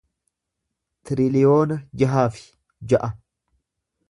tiriliyoona jaha fi ja'a